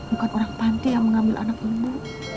bukan orang panti yang mengambil anak ibu